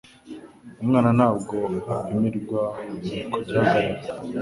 umwana ntabwo apimirwa ku gihagararo